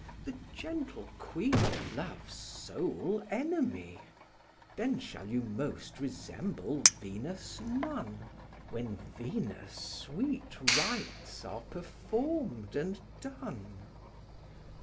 The gentle queen of love's sole enemy. Then shall you most resemble Venus' nun, When Venus' sweet rites are perform'd and done.